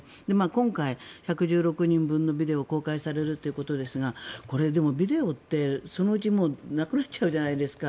今回、１１６人分のビデオが公開されるということですがこれ、ビデオってそのうちなくなっちゃうじゃないですか。